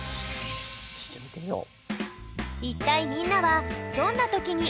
よしじゃあみてみよう。